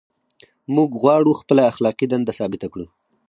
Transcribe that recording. موږ غواړو خپله اخلاقي دنده ثابته کړو.